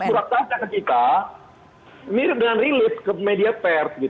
nah adalah yang kita suratkan ke kita mirip dengan rilis ke media pers